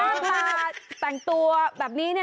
หน้าตาแต่งตัวแบบนี้